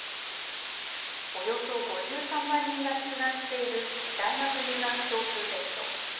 およそ５３万人が出願している大学入学共通テスト。